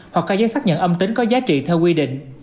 hoặc các giấy xác nhận âm tính có giá trị theo quy định